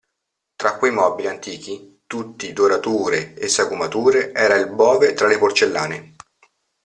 Tra quei mobili antichi, tutti dorature e sagomature era il bove tra le porcellane.